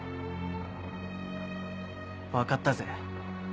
分かったぜ。